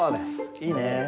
いいね。